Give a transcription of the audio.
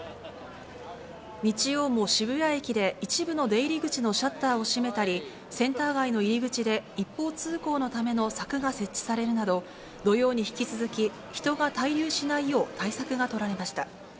日曜も渋谷駅で、一部の出入り口のシャッターを閉めたり、センター街の入り口で、一方通行のための柵が設置されるなど、土曜に引き続き、人が滞留しないよう、対策が取られました。